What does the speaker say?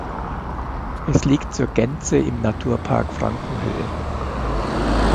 Es liegt zur Gänze im Naturpark Frankenhöhe.